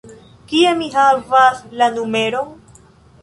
Kie mi havas la numeron?